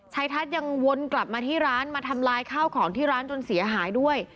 ชัดยังวนกลับมาที่ร้านมาทำลายข้าวของที่ร้านจนเสียหายด้วย